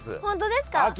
本当ですか？